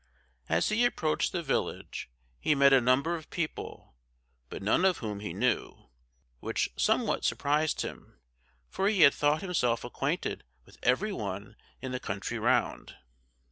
As he approached the village, he met a number of people, but none whom he new, which somewhat surprised him, for he had thought himself acquainted with every one in the country round.